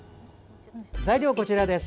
材料はこちらです。